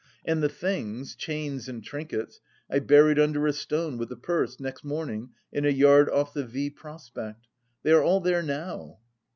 And the things chains and trinkets I buried under a stone with the purse next morning in a yard off the V Prospect. They are all there now...."